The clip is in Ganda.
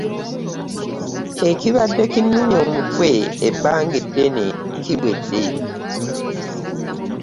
Ekibadde kinnumya omutwe ebbanga eddene kiwedde.